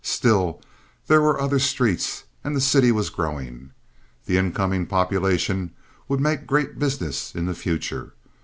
Still, there were other streets, and the city was growing. The incoming population would make great business in the future.